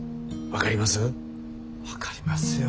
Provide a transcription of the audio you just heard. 分かりますよ。